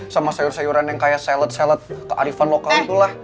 sama sayur sayuran yang kayak salad salad kearifan lokal itulah